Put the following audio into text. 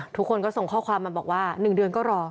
ทุกคนก็ส่งข้อความมาบอกว่า๑เดือนก็รอ